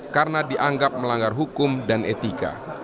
karena dianggap melanggar hukum dan etika